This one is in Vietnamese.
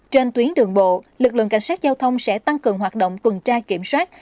trên tuyến đường bộ lực lượng cảnh sát giao thông sẽ tăng cường hoạt động tuần tra kiểm soát